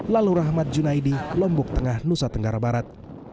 lalu rahmat junaidi lombok tengah nusa tenggara barat